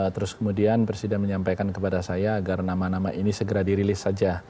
terus kemudian presiden menyampaikan kepada saya agar nama nama ini segera dirilis saja